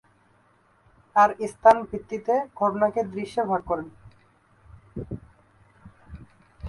আর স্থান ভিত্তিতে ঘটনাকে দৃশ্যে ভাগ করেন।